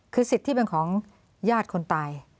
คือสิทธิ์ที่เป็นของญาติคนตาย